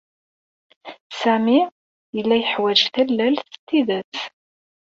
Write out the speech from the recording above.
Sami yella yeḥwaj tallalt s tidet.